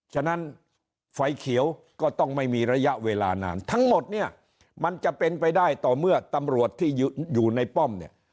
ฉะนั้นไฟเขียวก็ต้องไม่มีระยะเวลานานทั้งหมดเนี่ยมันจะเป็นไปได้ต่อเมื่อตำรวจที่อยู่ในป้อมเนี่ย